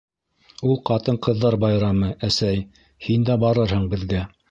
Ул ҡатын-ҡыҙҙар байрамы, әсәй, һин дә барырһың беҙгә.